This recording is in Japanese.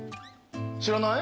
知らない？